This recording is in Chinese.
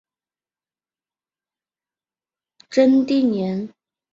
真定人。